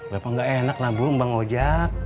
bapak nggak enak lah bu ngembang ojek